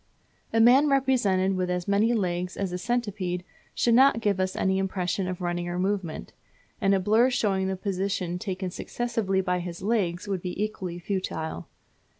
A man represented with as many legs as a centipede would not give us any impression of running or movement; and a blur showing the positions taken successively by his legs would be equally futile.